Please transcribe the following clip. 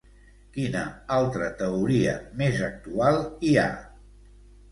Quina altra teoria, més actual, hi ha?